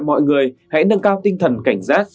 mọi người hãy nâng cao tinh thần cảnh giác